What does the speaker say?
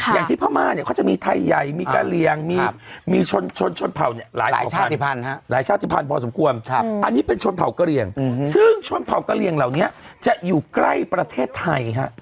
พม่าเนี่ยเขาจะมีไทยใหญ่มีกะเรียงมีชนชนเผ่าเนี่ยหลายชาติภัณฑ์พอสมควรอันนี้เป็นชนเผ่ากระเหลี่ยงซึ่งชนเผ่ากระเหลี่ยงเหล่านี้จะอยู่ใกล้ประเทศไทยฮะ